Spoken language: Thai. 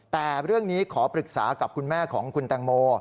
แต่เรื่องนี้ขอปรึกษากับคุณแม่ของคุณแตงโม